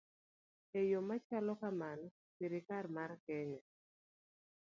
E yo machalo kamano, sirkal mar Kenya